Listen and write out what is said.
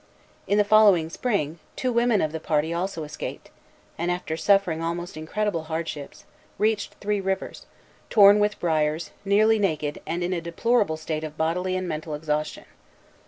In the following spring, two women of the party also escaped; and, after suffering almost incredible hardships, reached Three Rivers, torn with briers, nearly naked, and in a deplorable state of bodily and mental exhaustion.